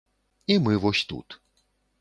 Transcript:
І мы вось тут.